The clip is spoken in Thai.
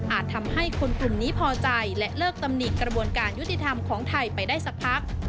ทำให้คนกลุ่มนี้พอใจและเลิกตำหนิกระบวนการยุติธรรมของไทยไปได้สักพัก